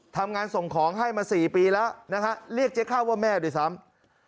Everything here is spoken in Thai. ทำงานส่งของให้มา๔ปีแล้วนะฮะเรียกเจ๊ข้าวว่าแม่ด้วยซ้ำ